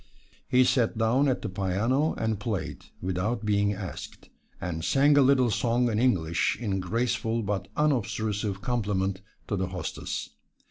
He sat down at the piano and played, without being asked, and sang a little song in English in graceful but unobtrusive compliment to the hostess.